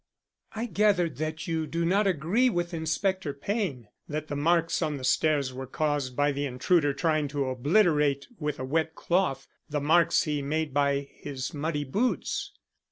"I gathered that you do not agree with Inspector Payne that the marks on the stairs were caused by the intruder trying to obliterate with a wet cloth the marks he made by his muddy boots."